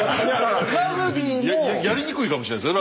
やりにくいかもしれないですよ